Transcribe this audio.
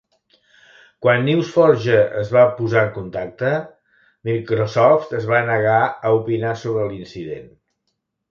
Quan NewsForge es va posar en contacte, Microsoft es va negar a opinar sobre l'incident.